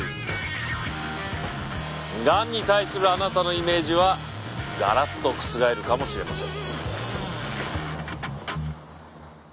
がんに対するあなたのイメージはがらっと覆るかもしれません。